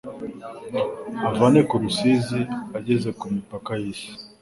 avane ku Ruzi ageze ku mipaka y’isi